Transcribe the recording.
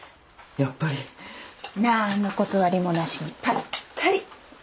やっぱり！何の断りもなしにぱったり。